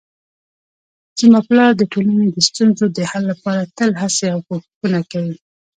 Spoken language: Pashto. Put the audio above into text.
زما پلار د ټولنې د ستونزو د حل لپاره تل هڅې او کوښښونه کوي